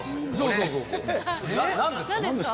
何ですか？